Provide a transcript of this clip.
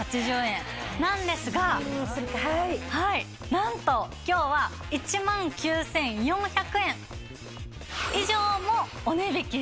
なんと今日は１万９４００円以上もお値引きした。